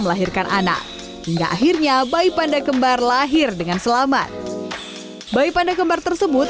melahirkan anak hingga akhirnya bayi panda kembar lahir dengan selamat bayi panda kembar tersebut